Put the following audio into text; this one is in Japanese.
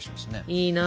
いいな。